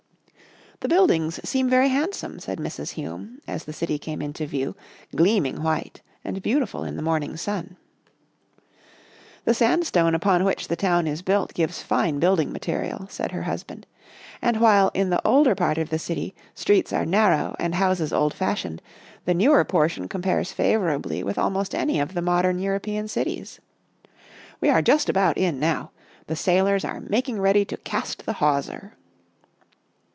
" The buildings seem very handsome, " said Mrs. Hume, as the city came into view, gleam ing white and beautiful in the morning sun. 1 6 Our Little Australian Cousin " The sandstone upon which the town is built gives fine building material," said her husband, " and while, in the older part of the city, streets are narrow and houses old fashioned, the newer portion compares favourably with almost any of the modern European cities. "We are just about in now; the sailors are making ready to cast the hawser."